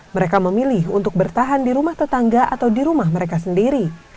mereka memilih untuk bertahan di rumah tetangga atau di rumah mereka sendiri